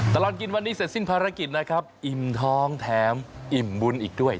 ตลอดกินวันนี้เสร็จสิ้นภารกิจนะครับอิ่มท้องแถมอิ่มบุญอีกด้วย